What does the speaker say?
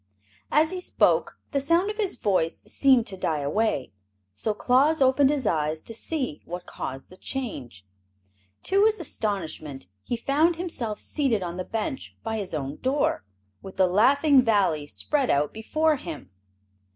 As he spoke the sound of his voice seemed to die away, so Claus opened his eyes to see what caused the change. To his astonishment he found himself seated on the bench by his own door, with the Laughing Valley spread out before him.